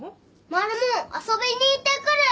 マルモ遊びに行ってくる。